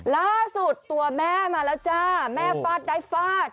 ล่าสุดตัวแม่มาแล้วจ้าแม่ฟาดได้ฟาด